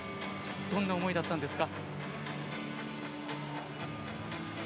どんな思いだったんですか。